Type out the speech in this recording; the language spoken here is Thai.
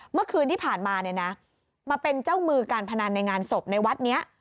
เมื่อคืนที่ผ่านมาเนี่ยนะมาเป็นเจ้ามือการพนันในงานศพในวัดนี้